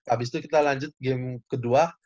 abis itu kita lanjut game kedua